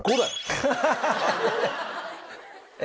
ハハハ。え？